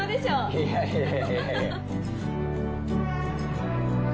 いやいやいやいや。